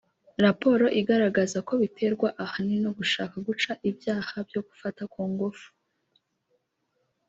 raporo igaragaza ko biterwa ahanini no gushaka guca ibyaha byo gufata ku ngufu